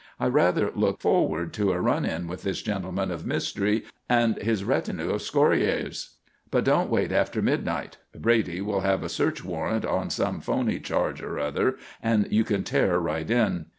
I rather look forward to a run in with this gentleman of mystery and his retinue of 'scorayers.' But don't wait after midnight. Brady will have a search warrant on some 'phony charge or other, and you can tear right in."